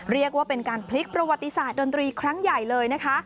เรียกว่าเป็นการพลิกประวัติศาสตร์ดนตรีครั้งใหญ่เลยนะคะ